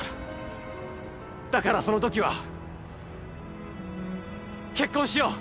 だからその時は結婚しよう！